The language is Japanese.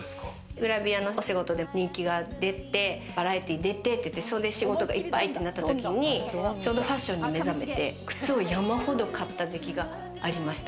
グラビアのお仕事で人気が出て、バラエティー出て、仕事がいっぱいの時にちょうどファッションに目覚めて靴を山ほど買った時期がありました。